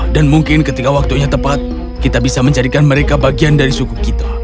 dan mungkin ketika waktunya tepat kita bisa menjadikan mereka bagian dari suku kita